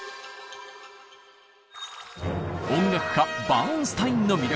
音楽家バーンスタインの魅力。